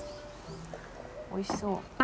おいしそう。